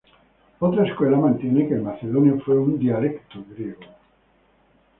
Otra escuela mantiene que el macedonio fue un dialecto griego.